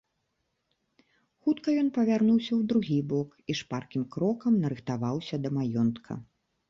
Хутка ён павярнуўся ў другі бок і шпаркім крокам нарыхтаваўся да маёнтка.